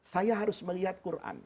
saya harus melihat quran